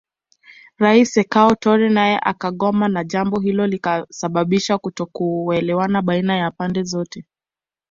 Rais Sekou Toure naye akagoma na jambo hilo likasababisha kutokuelewana baina ya pande zote